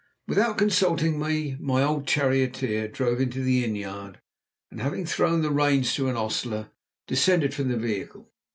Without consulting me, my old charioteer drove into the inn yard, and, having thrown the reins to an ostler, descended from the vehicle.